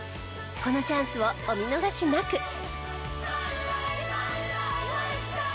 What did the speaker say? このチャンスをお見逃しなく！